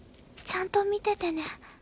ちゃんと見ててね」